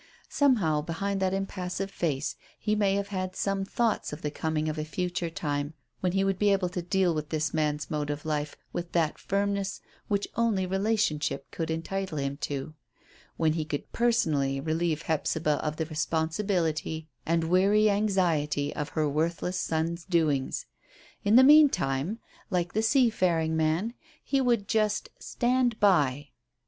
Somehow behind that impassive face he may have had some thoughts of the coming of a future time when he would be able to deal with this man's mode of life with that firmness which only relationship could entitle him to when he could personally relieve Hephzibah of the responsibility and wearing anxiety of her worthless son's doings. In the meantime, like the seafaring man, he would just "stand by."